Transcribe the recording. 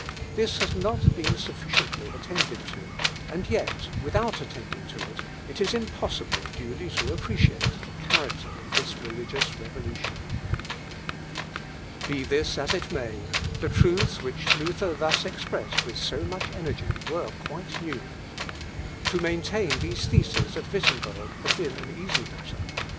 This has not been sufficiently attended to, and yet, without attending to it, it is impossible duly to appreciate the character of this religious revolution. Be this as it may, the truths which Luther thus expressed with so much energy were quite new. To maintain these theses at Wittemberg had been an easy matter.